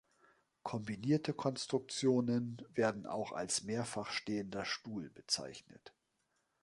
Kombinierte Konstruktionen werden auch als "mehrfach stehender Stuhl" bezeichnet.